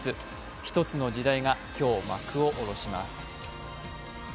１つの時代が今日、幕を下ろします。